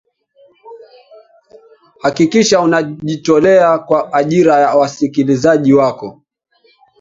hakikisha unajitolea kwa ajiri ya wasikilizaji wako